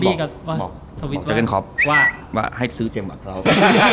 เดี๋ยวผมล็อบบีมออกเจเกิ้ลครอปให้ซื้อเจมบัตรพลาวส